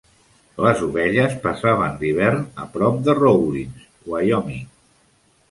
Les ovelles passaven l'hivern a prop de Rawlins, Wyoming.